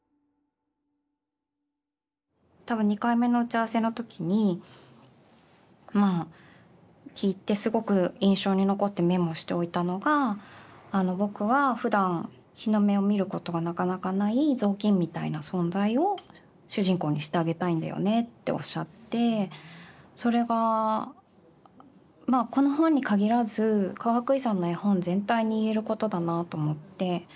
多分２回目の打ち合わせの時にまあ聞いてすごく印象に残ってメモしておいたのが「僕はふだん日の目を見ることがなかなかないぞうきんみたいな存在を主人公にしてあげたいんだよね」っておっしゃってそれがまあこの本に限らずかがくいさんの絵本全体に言えることだなと思って。